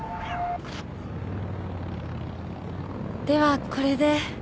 ではこれで。